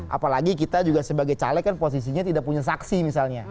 apalagi kita juga sebagai caleg kan posisinya tidak punya saksi misalnya